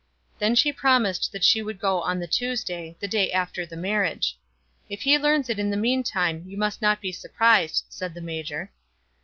Then she promised that she would go on the Tuesday, the day after the marriage. "If he learns it in the meantime, you must not be surprised," said the major.